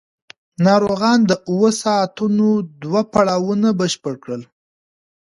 ناروغان د اوو ساعتونو دوه پړاوونه بشپړ کړل.